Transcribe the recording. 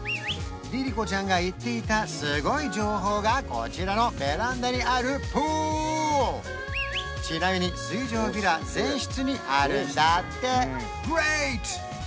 麗々子ちゃんが言っていたすごい情報がこちらのベランダにあるプールちなみに水上ヴィラ全室にあるんだってグレート！